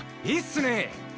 いいっすね！